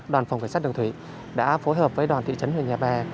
đoàn phòng cảnh sát đường thủy đã phối hợp với đoàn thị trấn huyện nhà bè